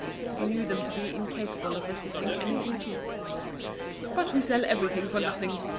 He knew them to be incapable of resisting anything cheap. "But we sell everything for nothing!"